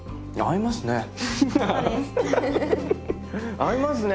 合いますね！